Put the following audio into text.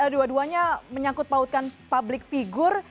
dua duanya menyangkut pautkan publik figur